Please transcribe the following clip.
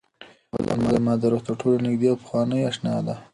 هغه زما د روح تر ټولو نږدې او پخوانۍ اشنا ده.